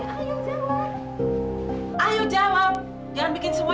emang ada makanan di sini ma